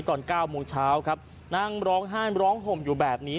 ตอนเก้าโมงเช้าครับนั่งร้องไห้ร้องห่มอยู่แบบนี้